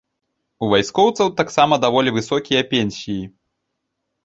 У вайскоўцаў таксама даволі высокія пенсіі.